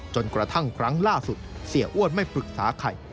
กระทั่งครั้งล่าสุดเสียอ้วนไม่ปรึกษาใคร